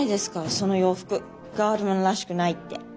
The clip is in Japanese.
その洋服ガードマンらしくないって。